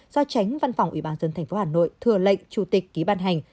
do tránh văn phòng ủy ban dân thành phố hà nội thừa lệnh chủ tịch ký ban hành